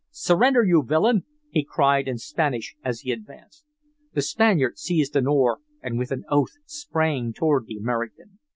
"Surrender, you villain!" he cried in Spanish as he advanced. The Spaniard seized an oar and with an oath sprang toward the American.